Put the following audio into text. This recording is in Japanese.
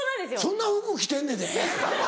そんな服着てんねんで？